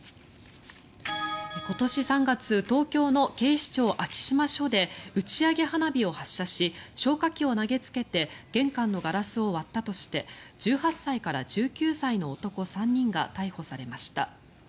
今年３月、東京の警視庁昭島署で打ち上げ花火を発射し消火器を投げつけて玄関のガラスを割ったとして１８歳から１９歳の男３人が逮捕されました。